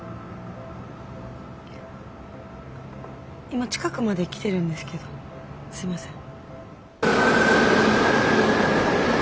今近くまで来てるんですけどすいません。